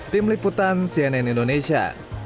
tim liputan cnn indonesia